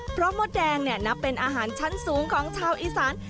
เพราะมดแดงเนี่ยนับเป็นอาหารชั้นสูงของชาวอีสาน